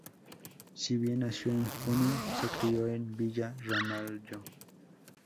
Si bien nació en Junín, se crio en villa Ramallo.